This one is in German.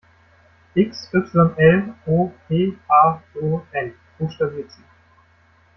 "X Y L O P H O N", buchstabiert sie.